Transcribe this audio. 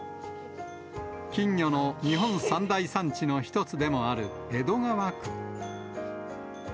金魚の日本三大産地の一つでもある江戸川区。